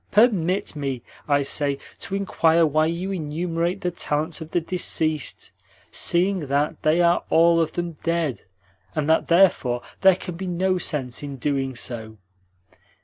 "Permit me, I say, to inquire why you enumerate the talents of the deceased, seeing that they are all of them dead, and that therefore there can be no sense in doing so.